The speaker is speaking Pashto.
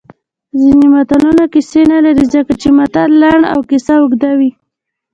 ځینې متلونه کیسې نه لري ځکه چې متل لنډ او کیسه اوږده وي